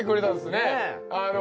ねえ！